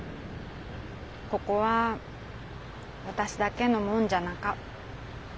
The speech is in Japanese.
ここはわたしだけのもんじゃなか。